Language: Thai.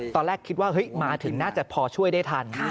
ตอนแรกคิดว่ามาถึงน่าจะพอช่วยได้ทัน